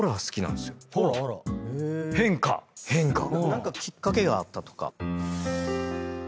何かきっかけがあった？